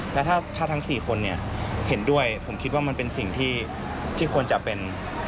แล้วถ้าทั้ง๔คนเห็นด้วยผมคิดว่ามันเป็นสิ่งที่ควรจะเป็น